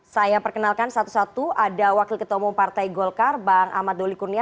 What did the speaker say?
saya perkenalkan satu satu ada wakil ketua umum partai golkar bang ahmad doli kurnia